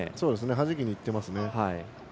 はじきにいってます。